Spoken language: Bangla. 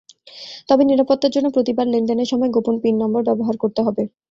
তবে নিরাপত্তার জন্য প্রতিবার লেনদেনের সময় গোপন পিন নম্বর ব্যবহার করতে হবে।